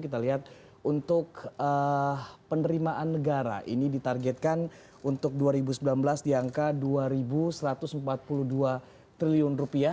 kita lihat untuk penerimaan negara ini ditargetkan untuk dua ribu sembilan belas di angka dua satu ratus empat puluh dua triliun rupiah